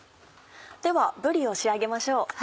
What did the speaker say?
ではぶりを仕上げましょう。